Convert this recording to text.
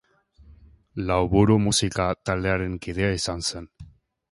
Lauburu musika taldearen kidea izan zen.